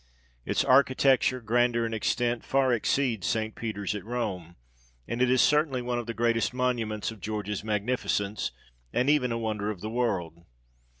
Its architecture, grandeur, and extent, far exceeds St. Peter's at Rome, and it is certainly one of the greatest monuments of George's magnificence, and even a wonder of the world.